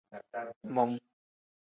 Mum.